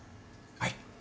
はい。